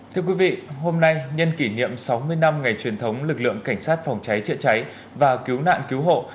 thưa quý vị hôm nay nhân kỷ niệm sáu mươi năm ngày truyền thống lực lượng cảnh sát phòng cháy chữa cháy và cứu nạn cứu hộ